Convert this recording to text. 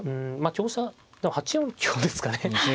香車８四香ですかね。